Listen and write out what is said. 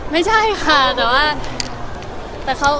ไม่ใช่ค่ะแต่ว่า